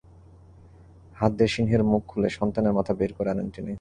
হাত দিয়ে সিংহের মুখ খুলে সন্তানের মাথা বের করে আনেন তিনি।